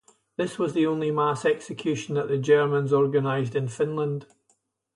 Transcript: This was the only mass execution that the Germans organized in Finland.